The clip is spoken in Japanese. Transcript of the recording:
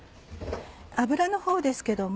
油のほうですけども。